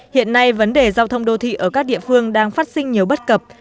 hiện nay vấn đề giao thông đô thị ở các địa phương đang phát sinh nhiều bất cập